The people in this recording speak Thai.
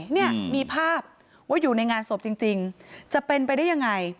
เนี่ยมีภาพว่าอยู่ในงานศพจริงจะเป็นไปได้ยังไง